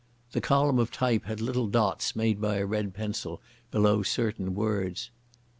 The column of type had little dots made by a red pencil below certain words.